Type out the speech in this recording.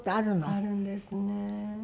あるんですね。